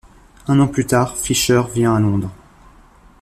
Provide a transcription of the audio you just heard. Un an plus tard, Fischer vient à Londres.